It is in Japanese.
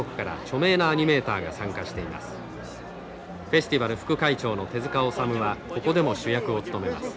フェスティバル副会長の手塚治虫はここでも主役を務めます。